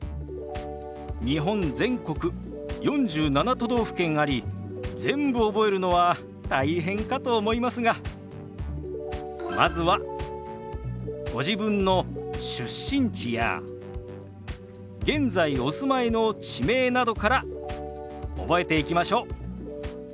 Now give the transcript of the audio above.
日本全国４７都道府県あり全部覚えるのは大変かと思いますがまずはご自分の出身地や現在お住まいの地名などから覚えていきましょう。